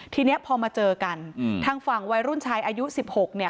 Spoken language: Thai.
ทีนี้พอมาเจอกันอืมทางฝั่งวัยรุ่นชายอายุสิบหกเนี่ย